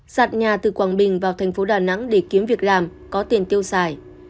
sạt nhà từ quảng bình vào thành phố đà nẵng để kiếm việc làm có tiền tiêu xài